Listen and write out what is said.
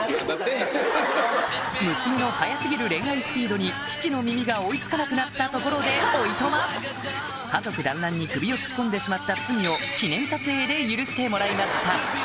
娘の早過ぎる恋愛スピードに父の耳が追い付かなくなったところでおいとま家族だんらんに首を突っ込んでしまった罪を記念撮影で許してもらいました